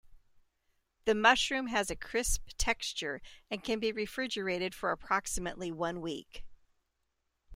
The mushroom has a crisp texture and can be refrigerated for approximately one week.